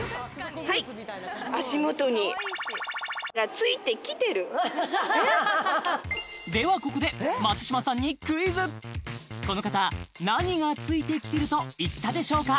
はい足もとにが付いて来てるではここで松嶋さんにクイズこの方何が付いて来てると言ったでしょうか？